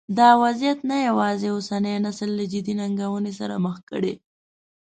دا وضعیت نه یوازې اوسنی نسل له جدي ننګونو سره مخ کړی.